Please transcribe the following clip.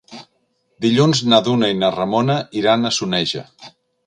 Dilluns na Duna i na Ramona iran a Soneja.